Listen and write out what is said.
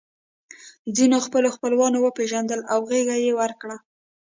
ځینو خپل خپلوان وپېژندل او غېږه یې ورکړه